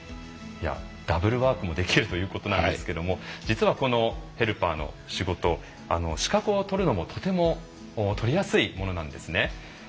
ダブルワークもできるということなんですけど実はこのヘルパーの仕事資格を取るのもとても取りやすいものなんですね。